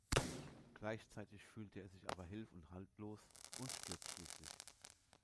Gleichzeitig fühlt er sich aber hilf- und haltlos und stirbt schließlich.